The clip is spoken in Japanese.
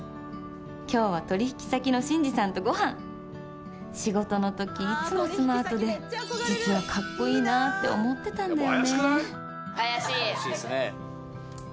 今日は取引先の紳士さんとごはん仕事のときいつもスマートで実はかっこいいなって思ってたんだよね